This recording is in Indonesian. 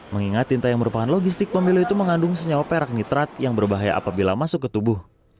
mengingat tinta yang merupakan logistik pemilu itu mengandung senyawa perak nitrat yang berbahaya apabila masuk ke tubuh